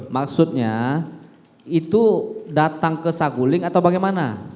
maksudnya itu datang ke saguling atau bagaimana